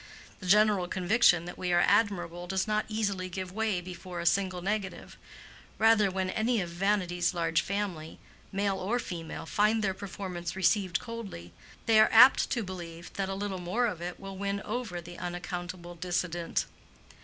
The general conviction that we are admirable does not easily give way before a single negative; rather when any of Vanity's large family, male or female, find their performance received coldly, they are apt to believe that a little more of it will win over the unaccountable dissident.